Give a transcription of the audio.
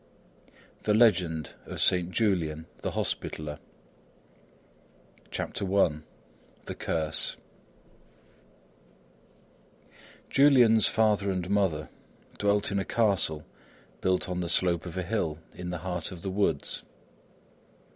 _] THE LEGEND OF SAINT JULIAN THE HOSPITALLER CHAPTER I THE CURSE Julian's father and mother dwelt in a castle built on the slope of a hill, in the heart of the woods.